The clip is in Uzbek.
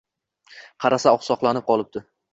Qarasa, oqsoqlanib qolibdi.